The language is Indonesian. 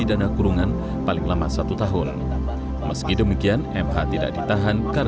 melaksanakan sesuai dengan peradilan anak